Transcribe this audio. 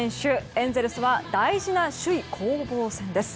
エンゼルスは大事な首位攻防戦です。